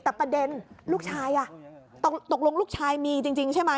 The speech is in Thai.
แต่ประเด็นลูกชายตกลงลูกชายมีจริงใช่ไหม